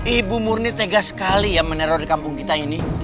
ibu murni tegas sekali ya menerori kampung kita ini